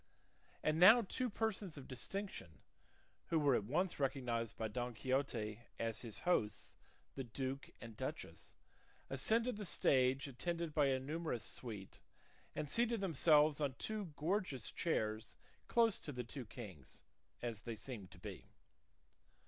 And now two persons of distinction, who were at once recognised by Don Quixote as his hosts the duke and duchess, ascended the stage attended by a numerous suite, and seated themselves on two gorgeous chairs close to the two kings, as they seemed to be.